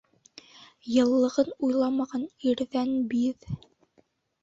Йыллығын уйламаған ирҙән биҙ.